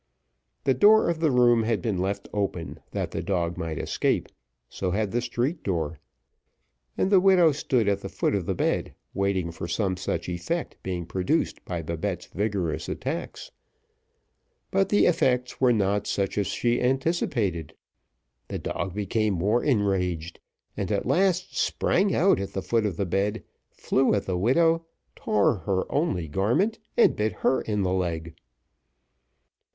The door of the room had been left open that the dog might escape so had the street door; and the widow stood at the foot of the bed, waiting for some such effect being produced by Babette's vigorous attacks; but the effects were not such as she anticipated; the dog became more enraged, and at last sprang out at the foot of the bed, flew at the widow, tore her only garment, and bit her in the leg.